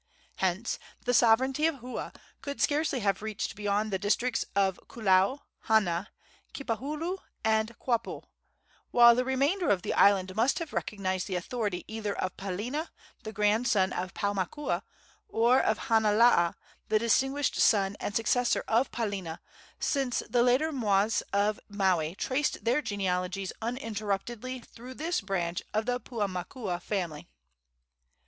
Hence the sovereignty of Hua could scarcely have reached beyond the districts of Koolau, Hana, Kipahulu and Kaupo, while the remainder of the island must have recognized the authority either of Palena, the grandson of Paumakua, or of Hanalaa, the distinguished son and successor of Palena, since the later mois of Maui traced their genealogies uninterruptedly through this branch of the Paumakua family.